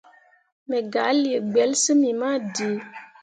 Me gah lii gbelsyimmi ma dǝǝ.